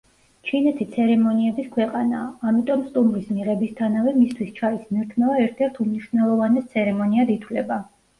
ჩინეთი ცერემონიების ქვეყანაა, ამიტომ, სტუმრის მიღებისთანავე მისთვის ჩაის მირთმევა ერთ-ერთ უმნიშვნელოვანეს ცერემონიად ითვლება.